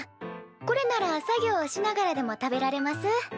これなら作業しながらでも食べられます。